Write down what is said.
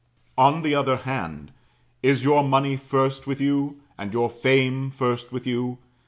On the other hand Is your money first with you, and your fame first with you?